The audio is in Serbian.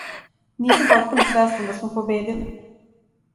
Нисам потпуно свестан да смо победили.